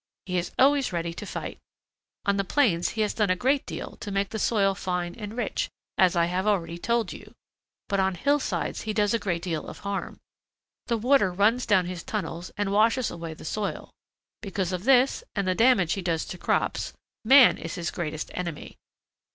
He is always ready to fight. On the plains he has done a great deal to make the soil fine and rich, as I have already told you, but on hillsides he does a great deal of harm. The water runs down his tunnels and washes away the soil. Because of this and the damage he does to crops, man is his greatest enemy.